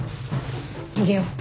逃げよう。